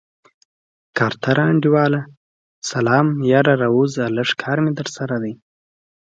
کارتره انډيواله سلام يره راووځه لږ کار مې درسره دی.